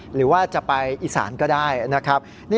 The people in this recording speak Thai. หรือว่าจะไปอีสานก็ได้นะครับ